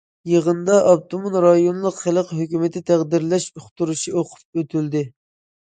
يىغىندا ئاپتونوم رايونلۇق خەلق ھۆكۈمىتى تەقدىرلەش ئۇقتۇرۇشى ئوقۇپ ئۆتۈلدى.